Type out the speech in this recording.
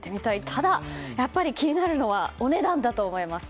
ただ、やっぱり気になるのはお値段だと思います。